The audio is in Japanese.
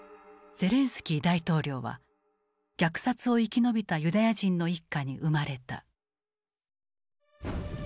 ゼレンスキー大統領は虐殺を生き延びたユダヤ人の一家に生まれた。